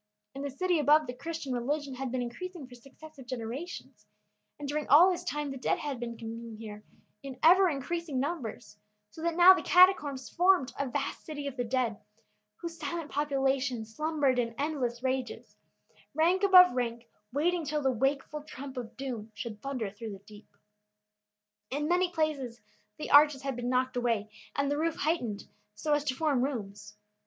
In the city above the Christian religion had been increasing for successive generations, and during all this time the dead had been coming here in ever increasing numbers, so that now the Catacombs formed a vast city of the dead, whose silent population slumbered in endless ranges, rank above rank, waiting till "The wakeful trump of doom should thunder through the deep." In many places the arches had been knocked away and the roof heightened so as to form rooms.